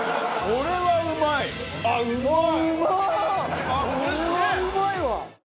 これはうまいわ！